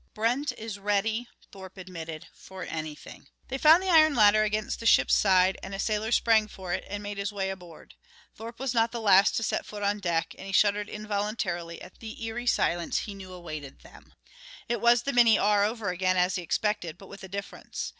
"Brent is ready," Thorpe admitted, "for anything." They found the iron ladder against the ship's side, and a sailor sprang for it and made his way aboard. Thorpe was not the last to set foot on deck, and he shuddered involuntarily at the eery silence he knew awaited them. It was the Minnie R. over again, as he expected, but with a difference.